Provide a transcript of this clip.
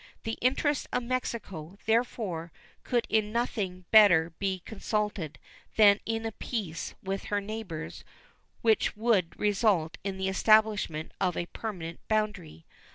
The interests of Mexico, therefore, could in nothing be better consulted than in a peace with her neighbors which would result in the establishment of a permanent boundary.